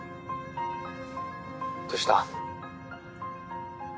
☎どうした？